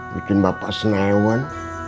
bikin bapak senewan